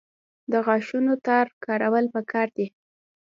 د غاښونو تار کارول پکار دي